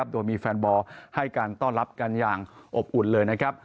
โดยมีแฟนบอลให้การต้อนรับกันอย่างอบอุ่นเลยนะครับ